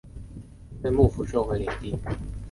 被幕府收回领地。